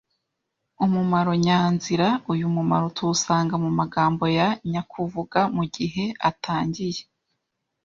Umumaro nyanzira Uyu mumaro tuwusanga mu magamo ya nyakuvuga mu gihe atangiy